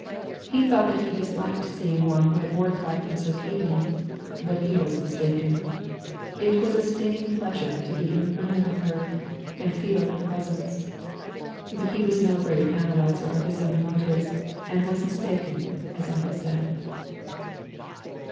He thought that he disliked seeing one who had mortified him so keenly; but he was mistaken. It was a stinging pleasure to be in the room with her, and feel her presence. But he was no great analyser of his own motives and was mistaken, as I have said.